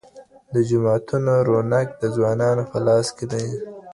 د جوماتونو رونق د ځوانانو په لاس کې دی.